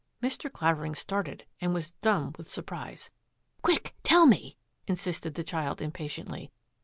" Mr. Clavering started and was dumb with sur prise. " Quick, tell me !" insisted the child impatiently.